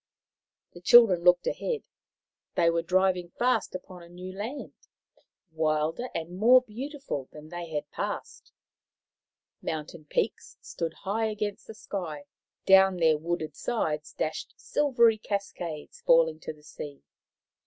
The children looked ahead. They were driving fast upon a new land, wilder and more beautiful than any they had passed. Mountain peaks stood high against the sky ; down their wooded sides dashed silvery cascades, falling to the sea.